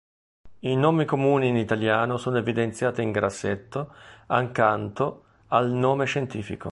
I nomi comuni in italiano sono evidenziati in grassetto accanto al nome scientifico.